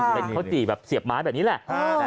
เป็นข้าวจี่แบบเสียบไม้แบบนี้แหละ